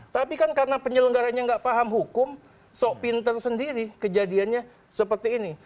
tapi kan karena penyelenggaranya nggak paham hukum sok pinter sendiri kejadiannya seperti ini